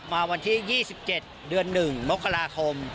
มาวันที่๒๗เดือน๑มกราคม